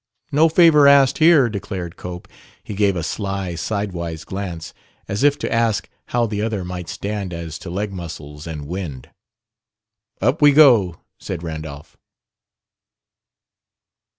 "No favor asked here," declared Cope. He gave a sly, sidewise glance, as if to ask how the other might stand as to leg muscles and wind. "Up we go," said Randolph.